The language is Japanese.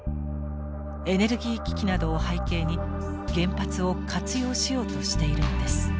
エネルギー危機などを背景に原発を活用しようとしているのです。